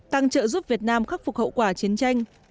tăng trợ giúp việt nam khắc phục hậu quả chiến tranh